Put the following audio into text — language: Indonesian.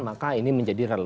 maka ini menjadi rancangan